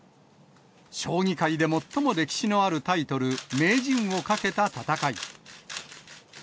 将棋界で最も歴史のあるタイトル、名人をかけた戦い。